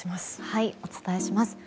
はい、お伝えします。